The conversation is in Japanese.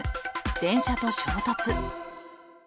電車と衝突。